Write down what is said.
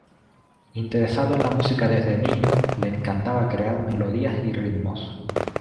Interesado en la música desde niño, le encantaba crear melodías y ritmos.